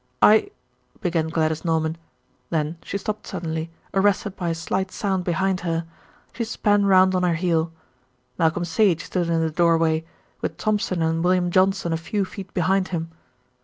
"I " began Gladys Norman, then she stopped suddenly, arrested by a slight sound behind her. She span round on her heel. Malcolm Sage stood in the doorway, with Thompson and William Johnson a few feet behind him.